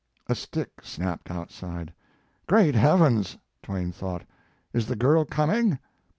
A stick snapped outside. "Great heavens!" Twain thought, "is the girl coming?"